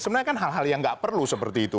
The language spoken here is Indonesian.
sebenarnya kan hal hal yang nggak perlu seperti itu